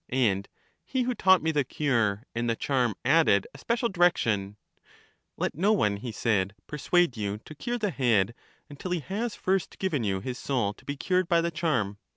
And he who taught me the cure and the charm added a special direction; " Let no one," he said, " persuade you to cure the head, until he has first given you his soul to be cured by the charm.